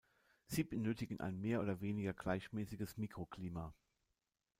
Sie benötigen ein mehr oder weniger gleichmäßiges Mikroklima.